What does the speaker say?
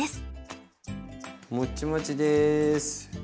もっちもちです。